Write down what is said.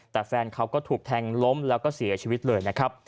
แต่แฟนเขาก็ถูกแทงล้มแล้วก็เสียชีวิตเลยนะครับ